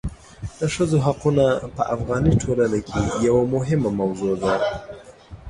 د ښځو حقونه په افغاني ټولنه کې یوه مهمه موضوع ده.